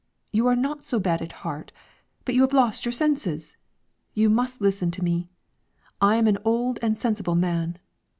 You are not so bad at heart, but you have lost your senses. You must listen to me. I am an old and sensible man.